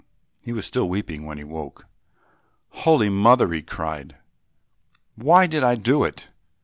He was still weeping when he woke. "Holy Mother," he cried, "why did I do it?"